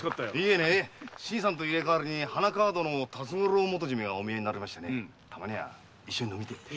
いえ新さんと入れ替わりに花川戸の辰五郎元締がみえてたまには一緒に飲みたいって。